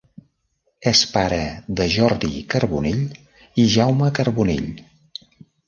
És pare de Jordi Carbonell i Jaume Carbonell.